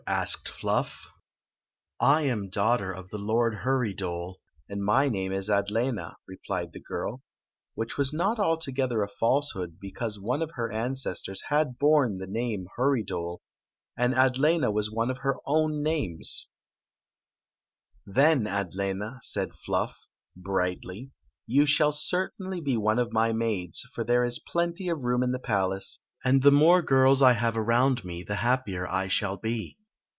asked Fluff. "I am daughter of the Lord Hurrydole, and my name is Adlena," replied the girl, which was not alto gether a falsehood, because one of her ancestors had borne the name Hurrydole, and Adlena was one of her own names. Story of the Magic Cloak ,85 "Then. Adlcna." said Fluff, brightly, "you shall certainly be one of my maids ; for there is plenty of room in the palace, and the more girls I have around me the happier I shall be."